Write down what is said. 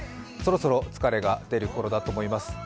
そろそろ疲れが出るころだと思います。